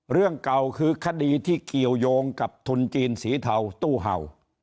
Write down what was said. เรื่องเก่าคือคดีที่เกี่ยวยงกับทุนจีนสีเทาตู้เห่า